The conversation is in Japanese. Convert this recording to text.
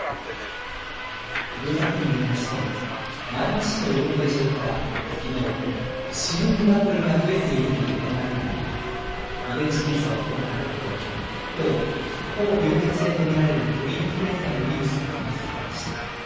群馬県によりますと前橋市の養鶏場からきのう死ぬニワトリが増えているという連絡があり遺伝子検査を行ったところきょう、高病原性と見られる鳥インフルエンザのウイルスが検出されました。